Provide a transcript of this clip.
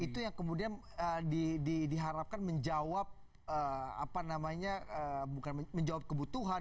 itu yang kemudian diharapkan menjawab apa namanya bukan menjawab kebutuhan